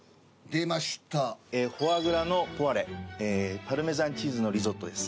フォアグラのポアレパルメザンチーズのリゾットです。